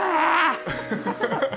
ハハハハ。